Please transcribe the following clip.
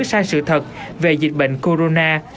sai sự thật về dịch bệnh corona